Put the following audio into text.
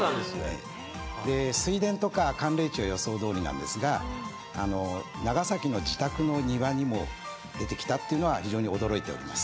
水田とか寒冷地は予想どおりなんですが長崎の自宅の庭にも出てきたのは非常に驚いております。